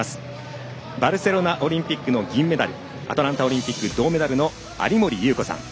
バルセロナオリンピック銀メダルアトランタオリンピック銅メダルの有森裕子さん。